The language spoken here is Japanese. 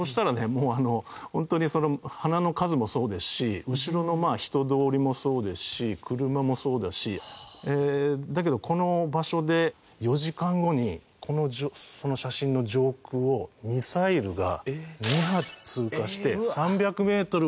もうあのホントに花の数もそうですし後ろの人通りもそうですし車もそうだし。だけどこの場所で４時間後にその写真の上空をミサイルが２発通過して３００メートル